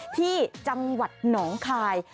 ที่จังหวัดหนองคาย